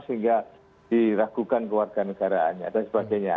sehingga diragukan kewarganegaraannya dan sebagainya